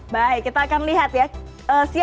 baik kita akan lihat ya